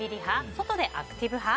外でアクティブ派？